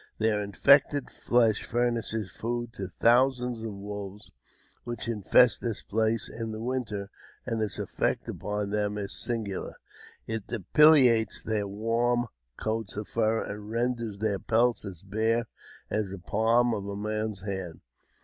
Their infected flesh furnishes food to thousands of wolves, which infest this place in the winter, and its effect upon them is singular. It depilates their warm coats of fur, and renders their pelts as bare as the palm of a man's hand.